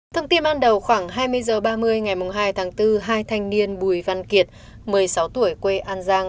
thông tin ban đầu khoảng hai mươi h ba mươi ngày hai tháng bốn hai thanh niên bùi văn kiệt một mươi sáu tuổi quê an giang